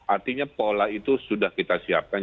artinya pola itu sudah kita siapkan